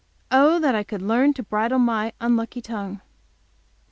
Oh, that I could learn to bridle my unlucky tongue!